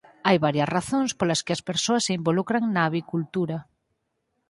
Hai varias razóns polas que as persoas se involucran na avicultura.